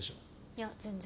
いや全然。